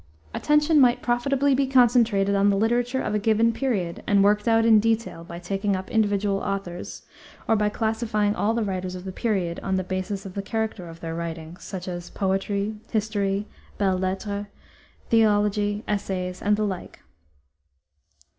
Attention might profitably be concentrated on the literature of a given period and worked out in detail by taking up individual authors, or by classifying all the writers of the period on the basis of the character of their writings, such as poetry, history, belles lettres, theology, essays, and the like.